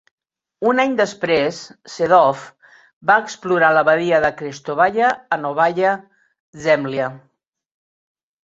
Un any després, Sedov va explorar la badia de Krestovaya a Novaya Zemlya.